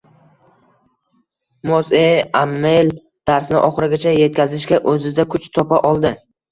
Mos`e Amel darsni oxirigacha etkazishga o`zida kuch topa oldi